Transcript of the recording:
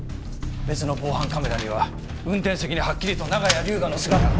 別の防犯カメラには運転席にはっきりと長屋龍河の姿が。